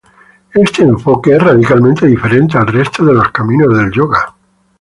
Este enfoque es radicalmente diferente al resto de los caminos del yoga.